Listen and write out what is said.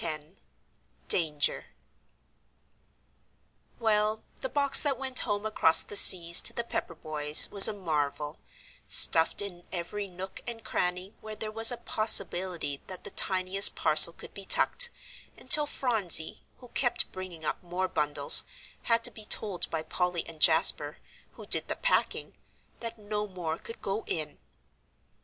X DANGER Well, the box that went home across the seas to the Pepper boys was a marvel, stuffed in every nook and cranny where there was a possibility that the tiniest parcel could be tucked, until Phronsie, who kept bringing up more bundles, had to be told by Polly and Jasper, who did the packing, that no more could go in.